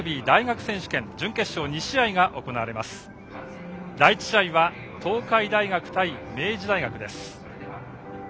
第１試合は東海大学対明治大学。